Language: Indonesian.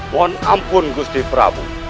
mohon ampun gusti prabu